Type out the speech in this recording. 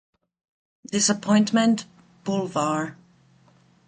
Disappointment Blvd.